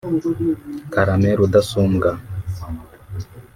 Karame rudasumbwa